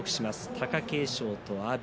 貴景勝と阿炎。